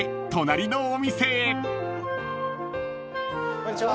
こんにちは。